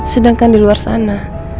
sedangkan di luar sana